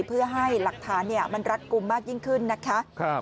เพื่อให้หลักฐานมันรัดกลุ่มมากยิ่งขึ้นนะคะ